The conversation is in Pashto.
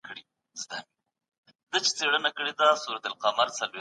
سياست پوهنه د ټولنې په پرمختګ کي مرسته کوي.